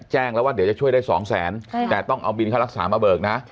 แจ้งแล้วว่าเดี๋ยวจะช่วยได้สองแสนแต่ต้องเอาบินค่ารักษามาเบิกนะ